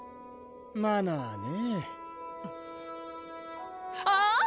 マナーねぇあぁ